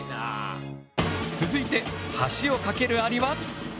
続いて橋をかけるアリは。